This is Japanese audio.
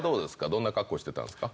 どんな格好してたんですか？